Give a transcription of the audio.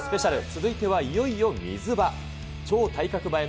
続いてはいよいよ水場。